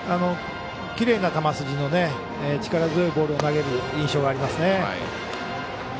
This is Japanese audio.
きれいな球筋の力強いボールを投げる印象がありますね。